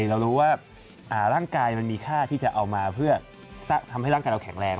เรารู้ว่าร่างกายมันมีค่าที่จะเอามาเพื่อทำให้ร่างกายเราแข็งแรง